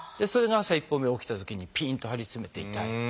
それが朝一歩目起きたときにピンと張り詰めて痛い。